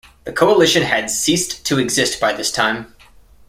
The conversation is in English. The coalition had ceased to exist by this time.